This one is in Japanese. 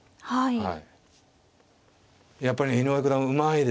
はい。